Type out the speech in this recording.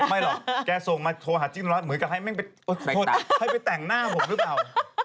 ไม่หรอกแกส่งมาโทรหาจิ้มร้อยเหมือนกับให้แม่งไปให้ไปแต่งหน้าผมหรือเปล่า